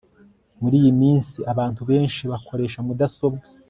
muri iyi minsi abantu benshi bakoresha mudasobwa